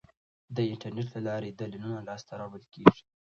د انټرنیټ له لارې دلیلونه لاسته راوړل کیږي.